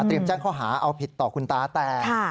แจ้งข้อหาเอาผิดต่อคุณตาแต่